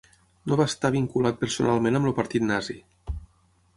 No va estar vinculat personalment amb el Partit Nazi.